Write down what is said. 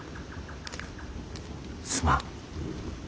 すまん。